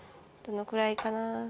どのくらいかな？